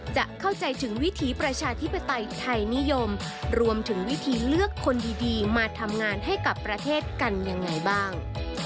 จะเข้าใจถึงวิถีประชาธิปไตยไทยนิยมรวมถึงวิธีเลือกคนดีมาทำงานให้กับประเทศกันยังไงบ้าง